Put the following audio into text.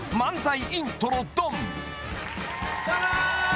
「どうも」